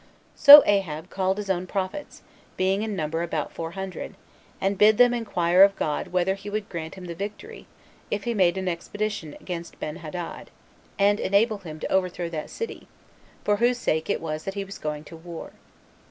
4. So Ahab called his own prophets, being in number about four hundred, and bid them inquire of God whether he would grant him the victory, if he made an expedition against Benhadad, and enable him to overthrow that city, for whose sake it was that he was going to war.